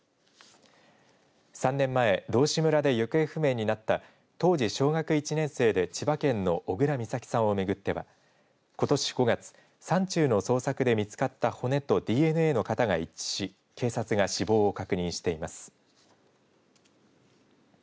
３年前山道志村で行方不明になった当時、小学１年生で千葉県の小倉美咲さんをめぐってはことし５月、山中の捜索で見つかった骨とＤＮＡの型が一致し警察が死亡を確認しています。